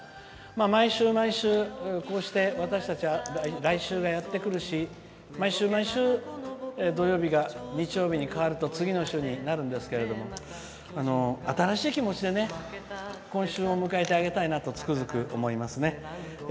毎週、毎週、私たちは来週がやってくるし毎週、毎週土曜日が日曜日に変わると次の週になるんですけれども新しい気持ちで今週を迎えてあげたいなとつくづく思います。